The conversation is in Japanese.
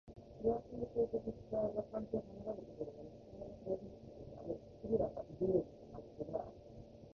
それは形成的主体が環境を離れることであり主体が亡び行くことである、イデヤがイデールとなることである。